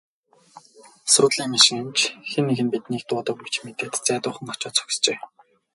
Суудлын машин ч хэн нэг нь биднийг дуудав гэж мэдээд зайдуухан очоод зогсжээ.